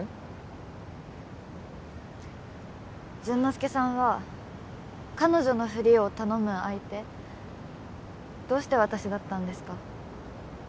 潤之介さんは彼女のフリを頼む相手どうして私だったんですか？